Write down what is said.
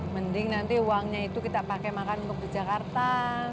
mending nanti uangnya itu kita pakai makan untuk ke jakarta